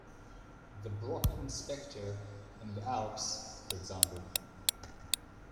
The Brocken Specter in the Alps, for example.